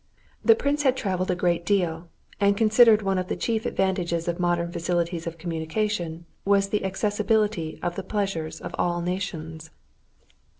The prince had traveled a great deal, and considered one of the chief advantages of modern facilities of communication was the accessibility of the pleasures of all nations.